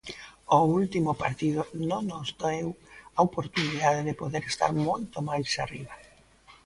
O último partido non nos deu a oportunidade de poder estar moito máis arriba.